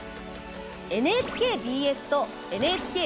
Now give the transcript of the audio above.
ＮＨＫＢＳとＮＨＫＢＳ